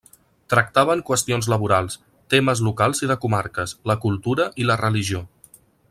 Tractaven qüestions laborals, temes locals i de comarques, la cultura i la religió.